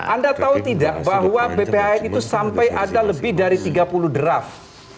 anda tahu tidak bahwa bphn itu sampai ada lebih dari tiga puluh draft